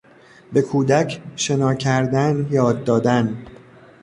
به کودک شنا کردن یاد دادن